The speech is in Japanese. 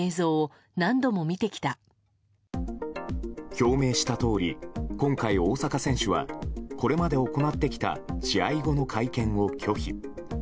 表明したとおり、今回大坂選手はこれまで行ってきた試合後の会見を拒否。